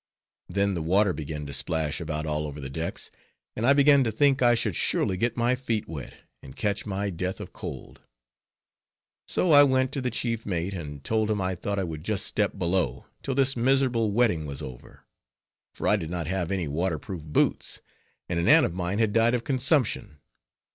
Then the water began to splash about all over the decks, and I began to think I should surely get my feet wet, and catch my death of cold. So I went to the chief mate, and told him I thought I would just step below, till this miserable wetting was over; for I did not have any water proof boots, and an aunt of mine had died of consumption.